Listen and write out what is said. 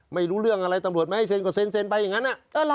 ไม่รู้เรื่องอะไรตำรวจไม่ให้เซ็นก็เซ็นไปอย่างนั้น